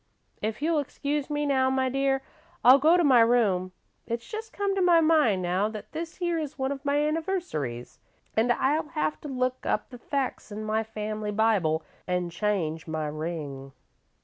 "If you'll excuse me now, my dear, I'll go to my room. It's just come to my mind now that this here is one of my anniversaries, an' I'll have to look up the facts in my family Bible, an' change my ring."